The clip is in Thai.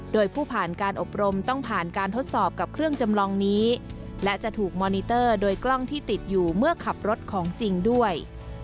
โดยผู้ผ่านการอบรมต้องผ่านการทดสอบกับเครื่องจำลองนี้และจะถูกมอนิเตอร์โดยกล้องที่ติดอยู่เมื่อขับรถของจริงด้วย